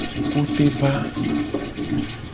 Kuteba.